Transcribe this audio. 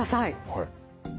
はい。